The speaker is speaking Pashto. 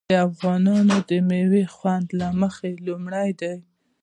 افغاني میوې د خوند له مخې لومړی دي.